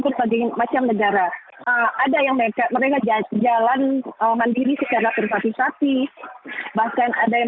berbagai macam negara ada yang mereka mereka jalan mandiri secara privatisasi bahkan ada yang